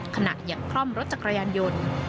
ขณะยังคล่อมรถจักรยานยนต์